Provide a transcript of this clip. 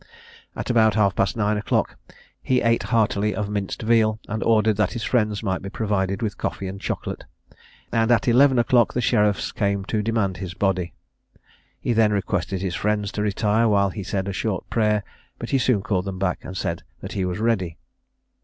At about half past nine o'clock he ate heartily of minced veal, and ordered that his friends might be provided with coffee and chocolate, and at eleven o'clock the sheriff's came to demand his body. He then requested his friends to retire while he said a short prayer; but he soon called them back, and said that he was ready.